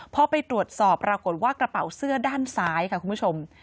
พอไปตรวจสอบปรากฏว่ากระเป๋าเสื้อด้านซ้ายค่ะคุณผู้ชม